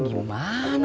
ini gimana urusannya